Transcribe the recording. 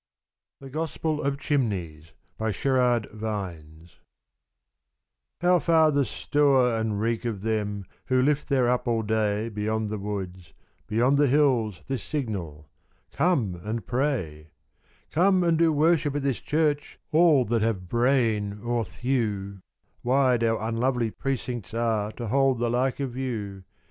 67 SHERARD VINES. THE GOSPEL OF CHIMNEYS. HOW far the stour and reek of them Who lift thereup all day Beyond the woods, beyond the hills This signal ' Come and pray.' ' Come and do worship at this church All that have brain or thew, Wide our unlovely precincts are To hold the like of you.